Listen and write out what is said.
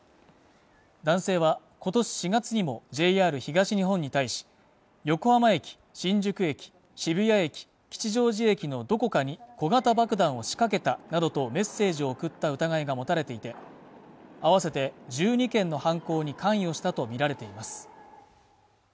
男性は今年４月にもＪＲ東日本に対し横浜駅、新宿駅、渋谷駅、吉祥寺駅のどこかに小型爆弾を仕掛けたなどとメッセージを送った疑いが持たれていて合わせて１２件の犯行に関与したと見られています